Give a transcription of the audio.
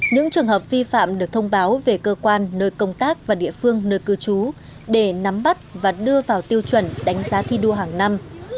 những trường hợp vi phạm được thông báo về cơ quan nơi công tác và địa phương nơi cư trú để nắm bắt và đưa vào tiêu chuẩn đánh giá thi đua hàng năm